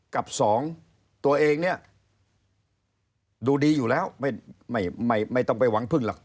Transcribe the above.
กับสองตัวเองเนี่ยดูดีอยู่แล้วไม่ต้องไปหวังพึ่งหรอก